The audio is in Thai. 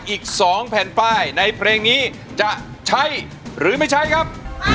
อีก๒แผ่นป้ายในเพลงนี้จะใช้หรือไม่ใช้ครับ